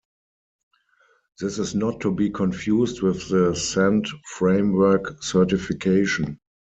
This is not to be confused with the Zend Framework Certification.